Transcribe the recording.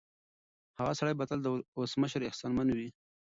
هغه سړی به تل د ولسمشر احسانمن وي.